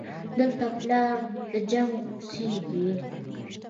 دلته پلار د جنګ اوسېږي